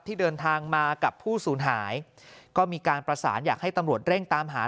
ที่เดินทางมากับผู้สูญหายก็มีการประสานอยากให้ตำรวจเร่งตามหา